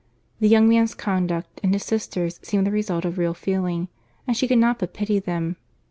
The young man's conduct, and his sister's, seemed the result of real feeling, and she could not but pity them.